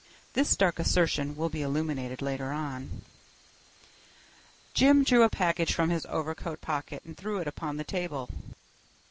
This dark assertion will be illuminated later on. Jim drew a package from his overcoat pocket and threw it upon the table.